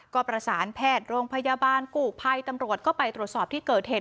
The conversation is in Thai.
ก็ประสานแพทย์โรงพยาบาลกู้ภัยตำรวจก็ไปตรวจสอบที่เกิดเหตุ